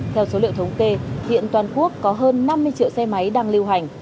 theo số liệu thống kê hiện toàn quốc có hơn năm mươi triệu xe máy đang lưu hành